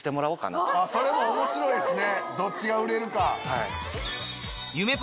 それも面白いですね。